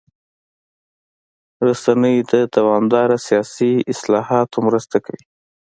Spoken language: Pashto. رسنۍ د دوامداره سیاسي اصلاحاتو مرسته کوي.